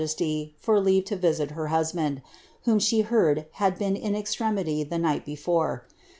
181 nty for leave to visit her husband, whom she heard had been in eztre* ■hy the night before.